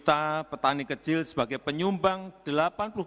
dan penyelenggaraan air yang diperlukan untuk mengembangkan air yang diperlukan